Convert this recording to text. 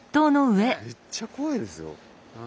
めっちゃ怖いですよ。